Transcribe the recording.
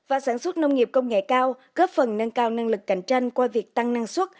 và sản xuất nông nghiệp công nghệ cao góp phần nâng cao năng lực cạnh tranh qua việc tăng năng suất